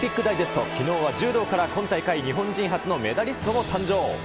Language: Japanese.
さあきのうは柔道から今大会日本人初のメダリストも誕生。